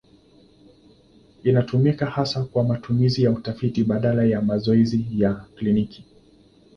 Inatumika hasa kwa matumizi ya utafiti badala ya mazoezi ya kliniki.